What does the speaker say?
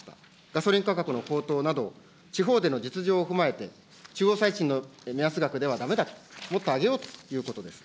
ガソリン価格の高騰など、地方での実情を踏まえて、中央最賃の目安額ではだめだと、もっと上げようということです。